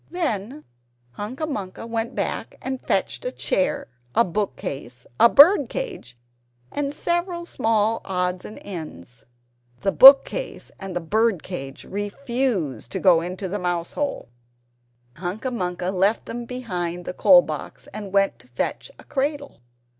Then Hunca Munca went back and fetched a chair, a book case, a bird cage, and several small odds and ends. The book case and the bird cage refused to go into the mousehole. Hunca Munca left them behind the coal box, and went to fetch a cradle.